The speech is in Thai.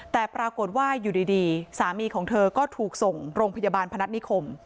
แต่ปรากฏว่าอยู่ดีสามีของเธอก็ถูกส่งโรงพยาบาลพนัฐนิคม